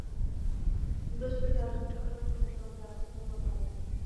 বিভাজকের দেয়াল সংস্কার করে সেগুলোতে রং দিয়ে আকর্ষণীয় করে তোলা হয়।